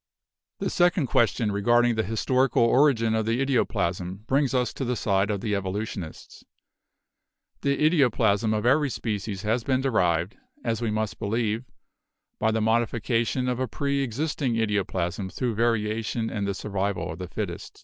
"The second question, regarding the historical origin of the idioplasm, brings us to the side of the evolution ists. The idioplasm of every species has been derived, as we must believe, by the modification of a preexisting idio plasm through variation and the survival of the fittest.